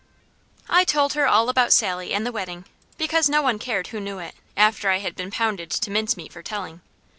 I told her all about Sally and the wedding, because no one cared who knew it, after I had been pounded to mince meat for telling.